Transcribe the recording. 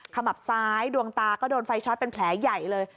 ขมับซ้ายดวงตาก็โดนไฟช็อตเป็นแผลใหญ่เลย